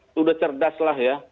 sudah cerdas lah ya